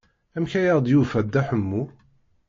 Amek ay aɣ-d-yufa Dda Ḥemmu?